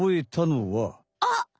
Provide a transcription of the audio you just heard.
あっ！